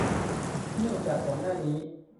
เนื่องจากก่อนหน้านี้